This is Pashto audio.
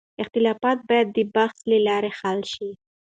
اختلافات باید د بحث له لارې حل شي.